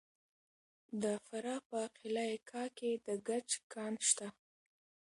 د فراه په قلعه کاه کې د ګچ کان شته.